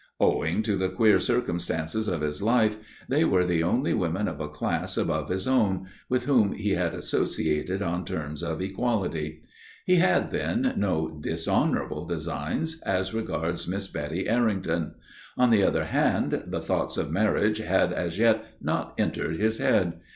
Owing to the queer circumstances of his life they were the only women of a class above his own, with whom he had associated on terms of equality. He had, then, no dishonorable designs as regards Miss Betty Errington. On the other hand, the thoughts of marriage had as yet not entered his head.